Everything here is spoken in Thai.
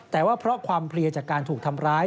แต่ว่าเพราะความเพลียจากการถูกทำร้าย